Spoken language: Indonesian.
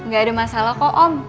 gak ada masalah kok om